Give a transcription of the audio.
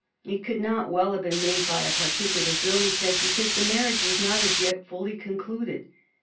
It could not well have been done by a particular Bill, he said, because the mar riage was not as yet fully concluded.